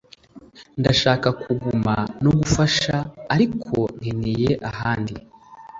Ndashaka kuguma no gufasha ariko nkeneye ahandi